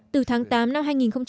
từ tháng tám năm hai nghìn một mươi bốn